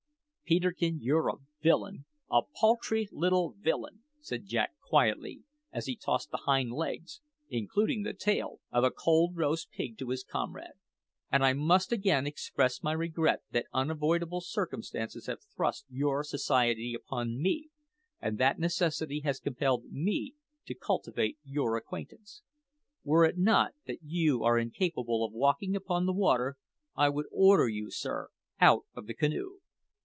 "Peterkin, you're a villain a paltry little villain!" said Jack quietly as he tossed the hind legs (including the tail) of a cold roast pig to his comrade; "and I must again express my regret that unavoidable circumstances have thrust your society upon me, and that necessity has compelled me to cultivate your acquaintance. Were it not that you are incapable of walking upon the water, I would order you, sir, out of the canoe!"